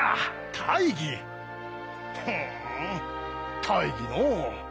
ふん大義のう。